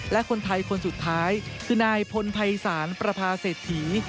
และคนไทยคนสุดท้ายคือนายพลภัยศาลประพาเศรษฐี